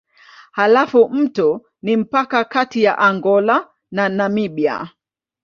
Halafu mto ni mpaka kati ya Angola na Namibia.